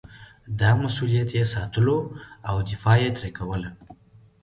دا مسووليت یې ساتلو او دفاع یې ترې کوله.